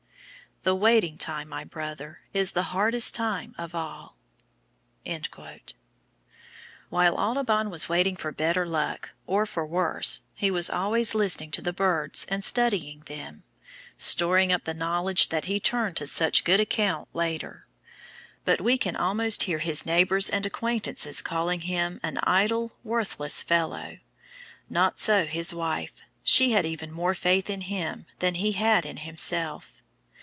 "The waiting time, my brother, is the hardest time of all." While Audubon was waiting for better luck, or for worse, he was always listening to the birds and studying them storing up the knowledge that he turned to such good account later: but we can almost hear his neighbours and acquaintances calling him an "idle, worthless fellow." Not so his wife; she had even more faith in him than he had in himself.